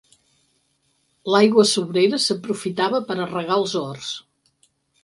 L'aigua sobrera s'aprofitava per a regar els horts.